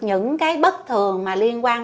những cái bất thường mà liên quan